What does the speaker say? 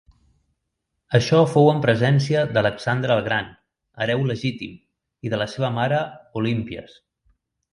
Això fou en presència d'Alexandre el gran, hereu legítim, i de la seva mare Olímpies.